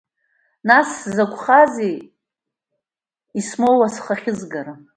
Нас, сзыкәхазеи, исмоуа схы ахьызгара?!